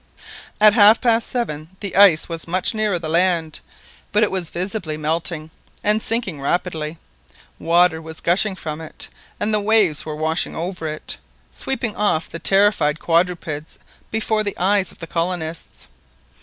At half past seven the ice was much nearer the land, but it was visibly melting, and sinking rapidly; water was gushing from it, and the waves were washing over it, sweeping off the terrified quadrupeds before the eyes of the colonists.